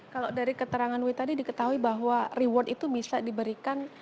kalau dari keterangan w tadi diketahui bahwa reward itu bisa diberikan